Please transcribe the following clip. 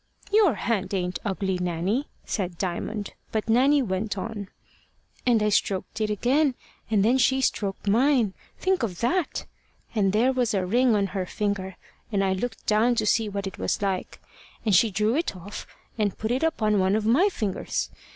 "Your hand ain't ugly, Nanny," said Diamond; but Nanny went on "And I stroked it again, and then she stroked mine, think of that! And there was a ring on her finger, and I looked down to see what it was like. And she drew it off, and put it upon one of my fingers.